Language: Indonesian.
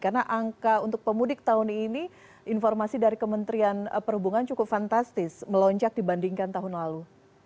karena angka untuk pemudik tahun ini informasi dari kementerian perhubungan cukup fantastis melonjak dibandingkan tahun lalu